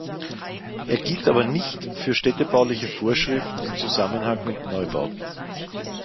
Er gilt aber nicht für städtebauliche Vorschriften im Zusammenhang mit Neubauten.